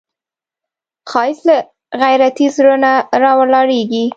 ښایست له غیرتي زړه نه راولاړیږي